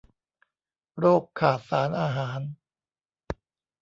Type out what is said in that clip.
โรคขาดสารอาหาร